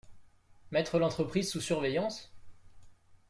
Mettre l’entreprise sous surveillance ?